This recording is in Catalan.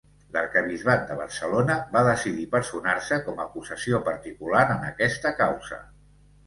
L’Arquebisbat de Barcelona va decidir personar-se com acusació particular en aquesta causa.